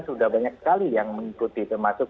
sudah banyak sekali yang mengikuti termasuk